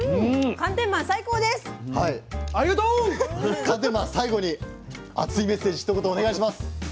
寒天マン最後に熱いメッセージひと言お願いします。